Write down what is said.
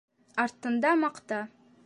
Артында маҡта.